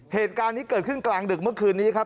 เหตุการณ์นี้เกิดขึ้นกลางดึกเมื่อคืนนี้ครับ